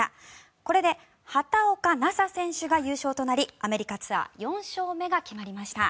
これで畑岡奈紗選手が優勝となりアメリカツアー４勝目が決まりました。